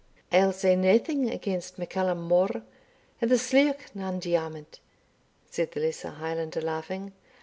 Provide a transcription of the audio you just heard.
"I'll sae naething against MacCallum More and the Slioch nan Diarmid," said the lesser Highlander, laughing.